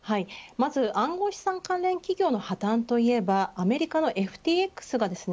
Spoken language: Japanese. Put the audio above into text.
まず暗号資産関連企業の破綻といえば、アメリカのＦＴＸがですね。